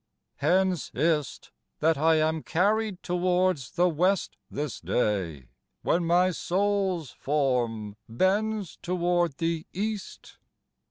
Hence is't, that I am carryed towards the WestThis day, when my Soules forme bends toward the East.